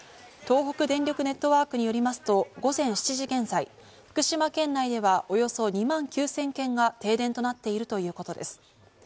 東北電力ネットワークによりますと午前７時現在、福島県内ではおよそ２万９０００軒が停電となっているということです。